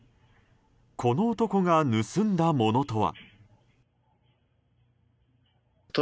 この男が盗んだものとは。